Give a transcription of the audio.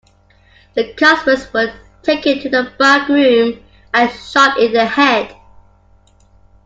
The customers were taken to the back room and shot in the head.